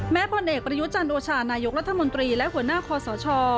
พลเอกประยุจันโอชานายกรัฐมนตรีและหัวหน้าคอสช